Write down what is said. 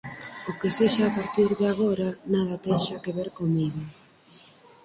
O que sexa a partir de agora nada ten xa que ver comigo.